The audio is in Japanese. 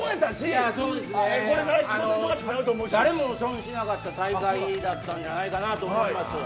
誰も損しなかった大会だったんじゃないかと思います。